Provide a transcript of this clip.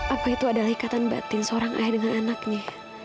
apa itu adalah ikatan batin seorang ayah dengan anaknya